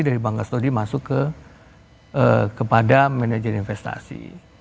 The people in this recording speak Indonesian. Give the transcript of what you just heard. dari bank kastodi masuk ke kepada manajer investasi